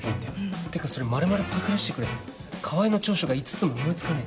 ってかそれ丸々パクらせてくれ川合の長所が５つも思い付かねえ。